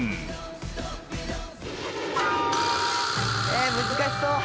ええ難しそう！